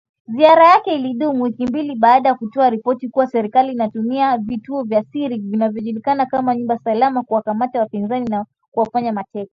Ziara yake ilidumu wiki mbili baada ya kutoa ripoti kuwa serikali inatumia vituo vya siri vinavyojulikana kama nyumba salama kuwakamata wapinzani na kuwafanya mateka.